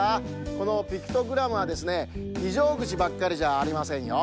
このピクトグラムはですねひじょうぐちばっかりじゃありませんよ。